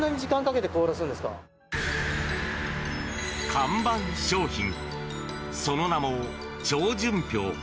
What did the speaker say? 看板商品、その名も超純氷。